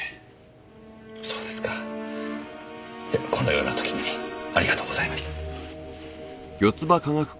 このような時にありがとうございました。